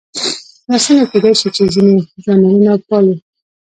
دا څنګه کېدای شي چې ځینې ژانرونه پالو.